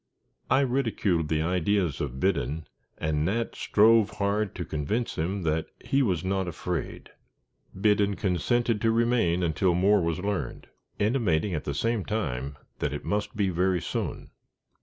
I ridiculed the ideas of Biddon, and Nat strove hard to convince him that he was not afraid. Biddon, consented to remain until more was learned, intimating at the same time, that it must be very soon.